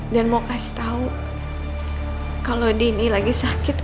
dan mau kasih tau kalau dini lagi sakit mas